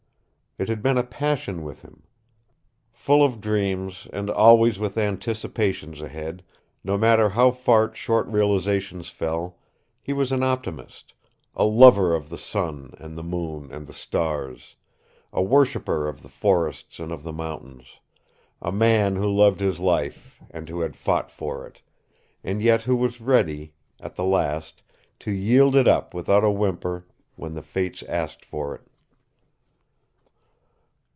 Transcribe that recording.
It had been a passion with him. Full of dreams, and always with anticipations ahead, no matter how far short realizations fell, he was an optimist, a lover of the sun and the moon and the stars, a worshiper of the forests and of the mountains, a man who loved his life, and who had fought for it, and yet who was ready at the last to yield it up without a whimper when the fates asked for it.